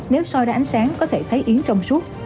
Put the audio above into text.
nếu soi ra ánh sáng có thể thấy yến trong suốt